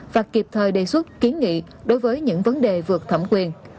và kịp thời đề xuất kiến nghị đối với những vấn đề vượt thẩm quyền